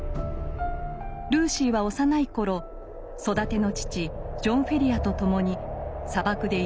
ルーシーは幼い頃育ての父ジョン・フェリアとともに砂漠で命を救われます。